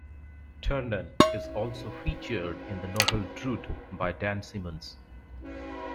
Ternan is also featured in the novel "Drood" by Dan Simmons.